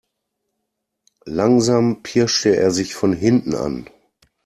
Langsam pirschte er sich von hinten an.